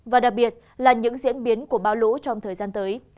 và đặc biệt là những diễn biến của bão lũ trong thời gian tới